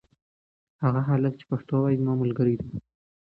هغه هلک چې پښتو وايي زما ملګری دی.